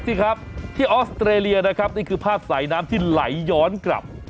สิครับที่ออสเตรเลียนะครับนี่คือภาพสายน้ำที่ไหลย้อนกลับ